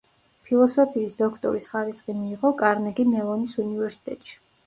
ფილოსოფიის დოქტორის ხარისხი მიიღო კარნეგი-მელონის უნივერსიტეტში.